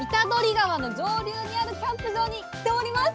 川の上流にあるキャンプ場に来ております。